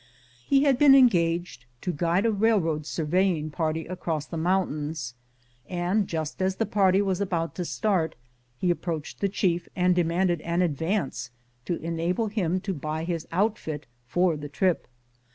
He had been engaged to guide a railroad surveying party across the mountains, and just as the party was about to start he approached the chief and demanded an advance to enable him to buy his outfit for the trip.